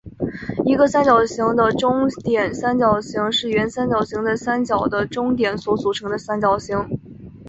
一个三角形的中点三角形是原三角形的三边的中点所组成的三角形。